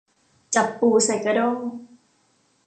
จับปูใส่กระด้ง